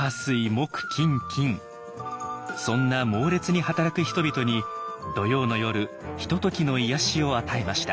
そんな猛烈に働く人々に土曜の夜ひとときの癒やしを与えました。